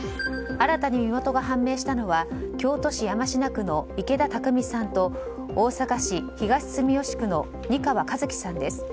新たに身元が判明したのは京都市山科区の池田拓民さんと大阪市東住吉区の仁川雅月さんです。